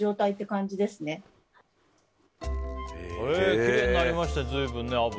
きれいになりましたね、随分ねアブ。